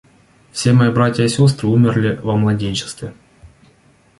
Все мои братья и сестры умерли во младенчестве.